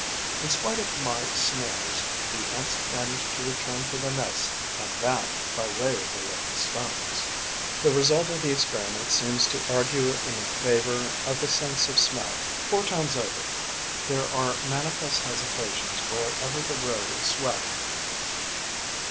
In spite of my snares, the Ants manage to return to the nest; and that by way of the little stones. The result of the experiment seems to argue in favour of the sense of smell. Four times over, there are manifest hesitations wherever the road is swept.